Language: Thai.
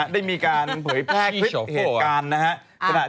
ได้มีการแผลติกสิ่งแห่งเวตการนี้